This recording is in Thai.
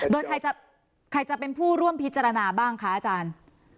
โดยใครจะเป็นผู้ร่วมพิจารณาบ้างคะอาจารย์